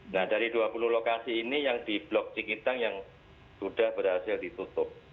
nah dari dua puluh lokasi ini yang di blok cikitang yang sudah berhasil ditutup